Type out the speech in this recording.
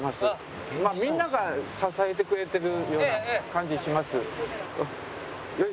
みんなが支えてくれてるような感じします。